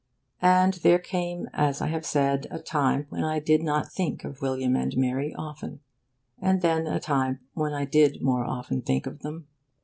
And there came, as I have said, a time when I did not think of William and Mary often; and then a time when I did more often think of them.